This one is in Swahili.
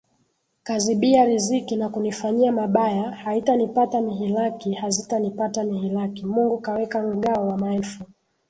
kuzibia riziki Na kunifanyia mabaya haitanipata mihilaki hazitanipata mihilaki Mungu kaweka mgao wa maelfu